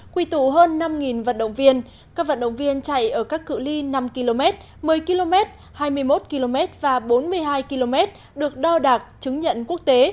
quy tụ hơn năm vận động viên các vận động viên chạy ở các cự li năm km một mươi km hai mươi một km và bốn mươi hai km được đo đạt chứng nhận quốc tế